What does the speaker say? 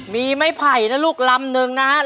มีไม้ไผ่นะลูกลำนึงนะครับ